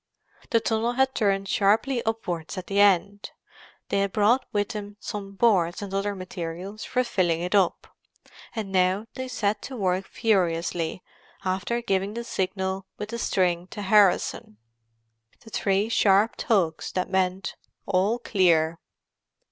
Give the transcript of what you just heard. The tunnel had turned sharply upwards at the end; they had brought with them some boards and other materials for filling it up, and now they set to work furiously, after giving the signal with the string to Harrison; the three sharp tugs that meant "All Clear!"